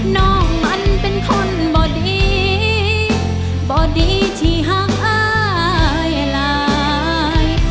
น้องมันเป็นคนบ่ดีบ่ดีที่หักอายหลาย